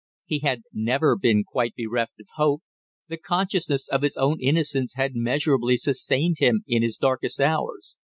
He had never been quite bereft of hope, the consciousness of his own innocence had measurably sustained him in his darkest hours.